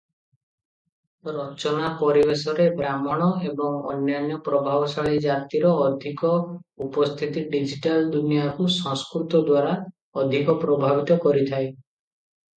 ରଚନା ପରିବେଶରେ ବ୍ରାହ୍ମଣ ଏବଂ ଅନ୍ୟାନ୍ୟ ପ୍ରଭାବଶାଳୀ ଜାତିର ଅଧିକ ଉପସ୍ଥିତି ଡିଜିଟାଲ ଦୁନିଆକୁ ସଂସ୍କୃତ ଦ୍ୱାରା ଅଧିକ ପ୍ରଭାବିତ କରିଥାଏ ।